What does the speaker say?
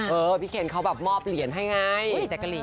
เออพีเคนเค้าแบบหมอบเหรียญให้ไง